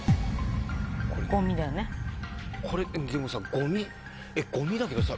これでもさゴミゴミだけどさ。